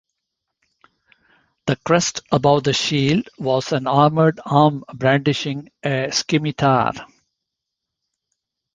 The crest above the shield was an armoured arm brandishing a scimitar.